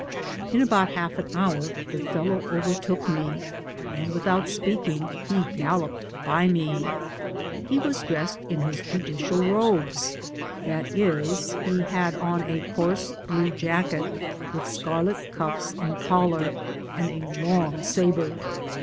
In about half an hour the fellow overtook me, and, without speaking, he galloped by me. He was dressed in his judicial robes ; that is, he had on a coarse blue jacket, with scarlet cuffs and collar, and Digitized byGoogk 938 THS PAMPAS^ a long sabre.